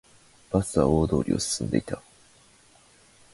バスは大通りを進んでいた